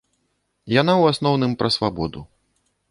Яна ў асноўным пра свабоду.